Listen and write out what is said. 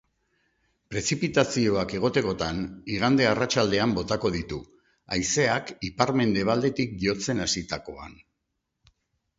Prezipitazioak egotekotan, igande arratsaldean botako ditu, haizeak ipar-mendebaldetik jotzen hasitakoan.